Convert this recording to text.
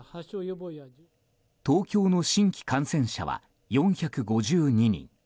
東京の新規感染者は４５２人。